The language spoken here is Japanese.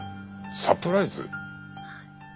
サプライズ？